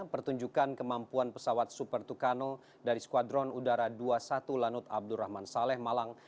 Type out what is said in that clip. pertunjukan kemampuan pesawat super tucano dari skuadron udara dua puluh satu lanut abdurrahman saleh malang